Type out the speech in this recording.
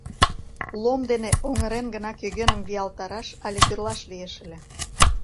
Лом дене оҥырен гына кӧгӧным виялтараш але кӱрлаш лиеш ыле...